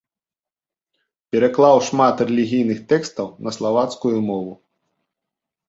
Пераклаў шмат рэлігійных тэкстаў на славацкую мову.